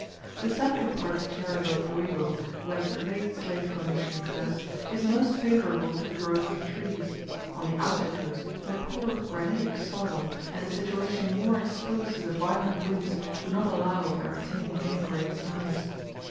The central part of Tierra del Fuego, where the clay slate formation occurs, is most favourable to the growth of trees; on the outer coast the poorer granitic soil, and a situation more exposed to the violent winds, do not allow of their attaining any great size.